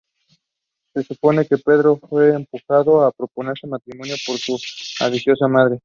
Se supone que Pedro fue empujado a proponer matrimonio por su ambiciosa madre.